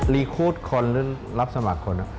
รีคูตคนหรือรับสมัครคน